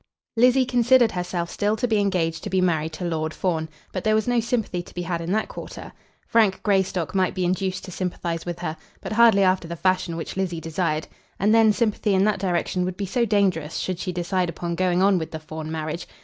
Lizzie considered herself still to be engaged to be married to Lord Fawn, but there was no sympathy to be had in that quarter. Frank Greystock might be induced to sympathise with her; but hardly after the fashion which Lizzie desired. And then sympathy in that direction would be so dangerous should she decide upon going on with the Fawn marriage.